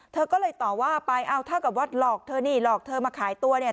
เธอก็เลยต่อว่าไปเอาเท่ากับว่าหลอกเธอนี่หลอกเธอมาขายตัวเนี่ย